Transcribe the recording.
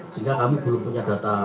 sehingga kami belum punya data